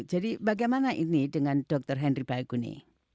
jadi bagaimana ini dengan dr henry baiguni